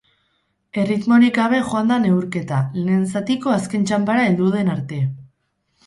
Erritmorik gabe joan da neurketa, lehen zatiko azken txanpara heldu den arte.